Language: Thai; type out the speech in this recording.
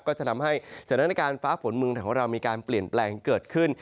ก็จะทำให้สถานการณ์ฟ้าฝนเมืองไทยของเรามีการเปลี่ยนแปลงเกิดขึ้น